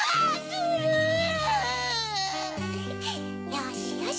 よしよし。